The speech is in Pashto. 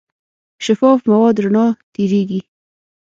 شفاف مواد رڼا تېرېږي.